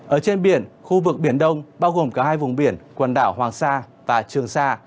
ở trên biển khu vực biển đông bao gồm cả hai vùng biển quần đảo hoàng sa và trường sa